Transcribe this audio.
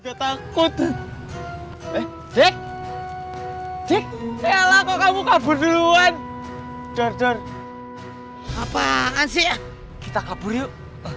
kita takut eh cek cek elah kok kamu kabur duluan jorjor apaan sih kita kabur yuk